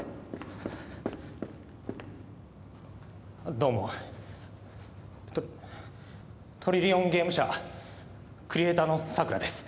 どうもとトリリオンゲーム社クリエイターの桜です